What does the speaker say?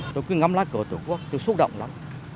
tôi cứ ngắm lá cờ tổ quốc tôi xúc động lắm